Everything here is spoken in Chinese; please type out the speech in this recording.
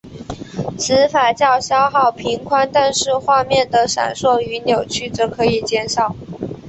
此法较消耗频宽但是画面的闪烁与扭曲则可以减少。